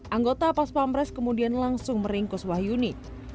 anggota paspamres kemudian langsung meringkus wahyuni